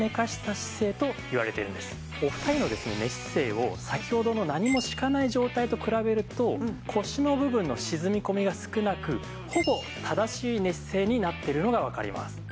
お二人の寝姿勢を先ほどの何も敷かない状態と比べると腰の部分の沈み込みが少なくほぼ正しい寝姿勢になっているのがわかります。